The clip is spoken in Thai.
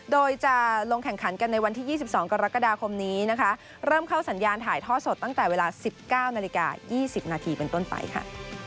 โดยจะลงแข่งขันกันในวันที่๒๒กรกฎาคมนี้นะคะเริ่มเข้าสัญญาณถ่ายท่อสดตั้งแต่เวลา๑๙นาฬิกา๒๐นาทีเป็นต้นไปค่ะ